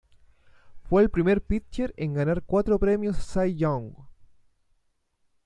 Fue el primer pitcher en ganar cuatro Premios Cy Young.